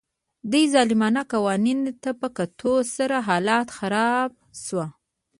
دې ظالمانه قوانینو ته په کتو سره حالت خراب شو